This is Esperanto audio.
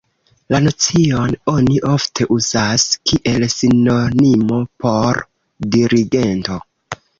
La nocion oni ofte uzas kiel sinonimo por dirigento.